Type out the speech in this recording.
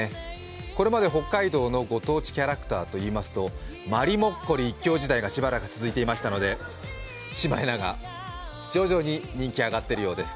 これまで北海道のご当地キャラクターといいますと、まりもっこり一強時代がしばらく続いていましたのでシマエナガ、徐々に人気上がっているようです。